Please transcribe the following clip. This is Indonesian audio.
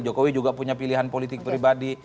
jokowi juga punya pilihan politik pribadi